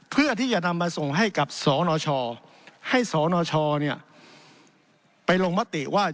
เพื่อที่จะนำมาส่งให้กับสนชให้สนชไปลงมติว่า